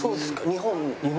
日本。